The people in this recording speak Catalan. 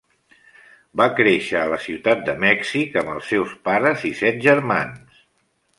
Va créixer en la Ciutat de Mèxic amb els seus pares i set germans.